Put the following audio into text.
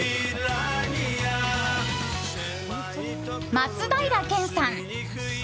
松平健さん。